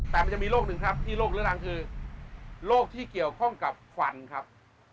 แต่มันจะมีโรคหนึ่งครับที่โรคเรื้อรังคือโรคที่เกี่ยวข้องกับควันครับ